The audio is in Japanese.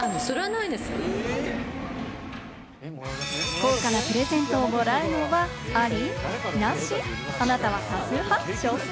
高価なプレゼントをもらうのは、あり？